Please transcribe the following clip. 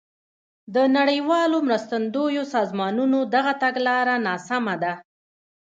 د نړیوالو مرستندویو سازمانونو دغه تګلاره ناسمه ده.